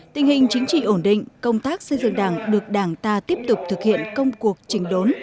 tình hình chính trị ổn định công tác xây dựng đảng được đảng ta tiếp tục thực hiện công cuộc trình đốn